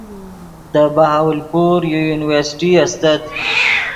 دے بہاولپور یو یونیورسٹی استت